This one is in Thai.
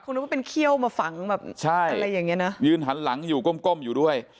นึกว่าเป็นเขี้ยวมาฝังแบบใช่อะไรอย่างเงี้นะยืนหันหลังอยู่ก้มก้มอยู่ด้วย